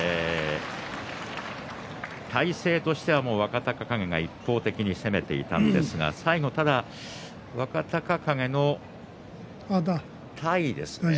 体勢としては若隆景が一方的に攻めていったんですが最後、若隆景の体ですね。